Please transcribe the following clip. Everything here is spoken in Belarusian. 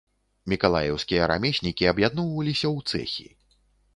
Мікалаеўскія рамеснікі аб'ядноўваліся ў цэхі.